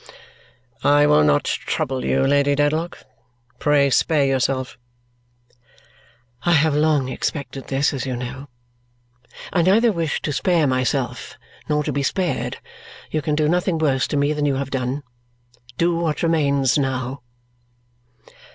"I will not trouble you, Lady Dedlock. Pray spare yourself." "I have long expected this, as you know. I neither wish to spare myself nor to be spared. You can do nothing worse to me than you have done. Do what remains now."